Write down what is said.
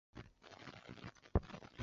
陈与义人。